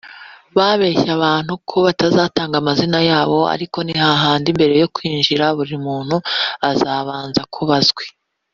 (Babeshye abantu ko batazatanga amazina yabo ariko ni hahandi mbere yo kwinjira buri muntu azabanza kuba azwi)